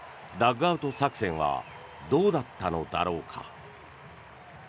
ダッグアウト作戦はどうだったのだろうか。